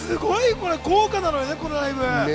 豪華なのよね、このライブ。